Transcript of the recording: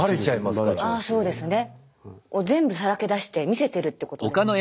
あそうですね。全部さらけ出して見せてるってことですもんね。